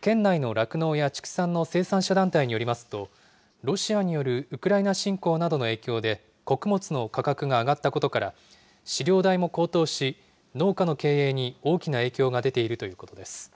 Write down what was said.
県内の酪農や畜産の生産者団体によりますと、ロシアによるウクライナ侵攻などの影響で、穀物の価格が上がったことから、飼料代も高騰し、農家の経営に大きな影響が出ているということです。